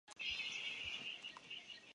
徽州状元饭以他为名。